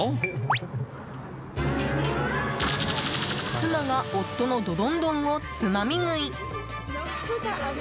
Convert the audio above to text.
妻が夫のドドンドンをつまみ食い！